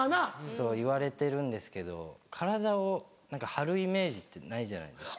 そう言われてるんですけど体を張るイメージってないじゃないですか。